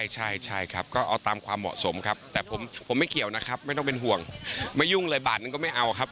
ใช่ครับก็เอาตามความเหมาะสมครับแต่ผมไม่เกี่ยวนะครับไม่ต้องเป็นห่วงไม่ยุ่งเลยบาทนึงก็ไม่เอาครับ